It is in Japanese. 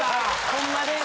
ホンマです。